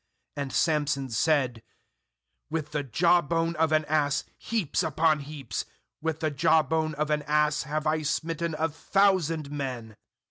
16And Samson said: With the jawbone of an ass, heaps upon heaps, With the jawbone of an ass have I smitten a thousand men.